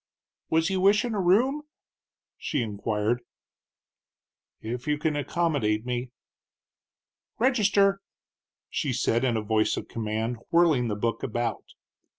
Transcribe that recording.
"Was you wishin' a room?" she inquired. "If you can accommodate me." "Register," she said, in voice of command, whirling the book about.